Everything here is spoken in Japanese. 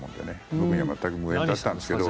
僕には全く無縁だったんですけど。